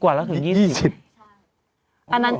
๒๐กว่าแล้วถึง๒๐